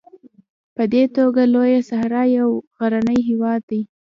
په دې توګه لویه صحرا یو غرنی هېواد دی.